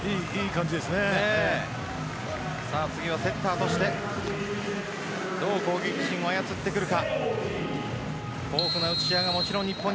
次は、セッターとしてどう攻撃陣を操ってくるか。